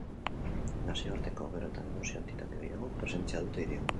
Nazioarteko gero eta negozio-entitate gehiagok presentzia dute hirian.